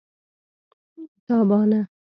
تابانه